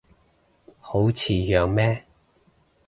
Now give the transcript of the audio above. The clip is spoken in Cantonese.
好似樣咩